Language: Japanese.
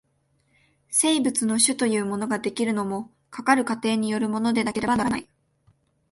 生物の種というものが出来るのも、かかる過程によるものでなければならない。